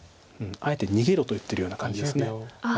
あえて逃げろと言ってるような感じです。